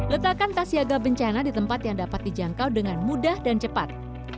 letakkan tas siaga bencana di tempat yang dapat dijangkau dengan mudah dan cepat